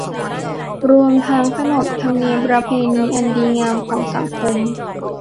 รวมทั้งขนบธรรมเนียมประเพณีอันดีงามของสังคม